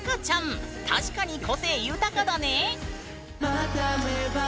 確かに個性豊かだね！